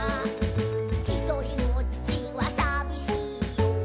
「ひとりぼっちはさびしいよ」